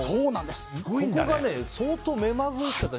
ここが相当めまぐるしかった。